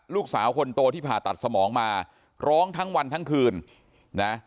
ลูกสาวคนโตที่ผ่าตัดสมองมาร้องทั้งวันทั้งคืนนะ